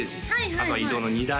あとは移動の荷台